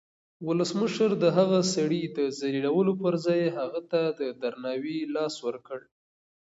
ولسمشر د هغه سړي د ذلیلولو پر ځای هغه ته د درناوي لاس ورکړ.